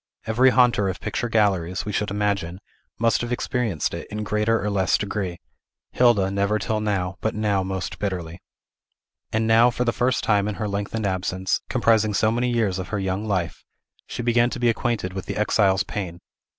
Every haunter of picture galleries, we should imagine, must have experienced it, in greater or less degree; Hilda never till now, but now most bitterly. And now, for the first time in her lengthened absence, comprising so many years of her young life, she began to be acquainted with the exile's pain.